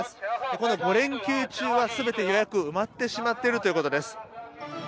この５連休中は、全て予約が埋まってしまっているということです。